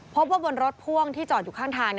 บนรถพ่วงที่จอดอยู่ข้างทาง